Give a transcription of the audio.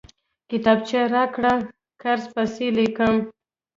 کتابچه راکړه، قرض پسې ليکم!